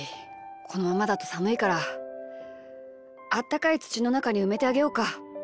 このままだとさむいからあったかいつちのなかにうめてあげようか。